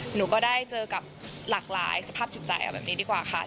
หนูก็ได้เจอกับหลากหลายสภาพจิตใจเอาแบบนี้ดีกว่าค่ะ